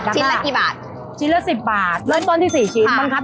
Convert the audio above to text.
ชิ้นละกี่บาทชิ้นละ๑๐บาทรวมต้นที่เสี่ยงชิ้นล่ะนะครับ